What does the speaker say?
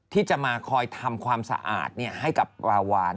ที่จะมาคอยทำความสะอาดให้กับราวาน